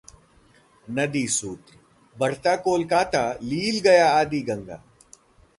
नदीसूत्रः बढ़ता कोलकाता लील गया आदि गंगा